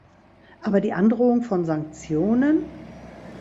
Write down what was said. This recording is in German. Aber die Androhung von Sanktionen?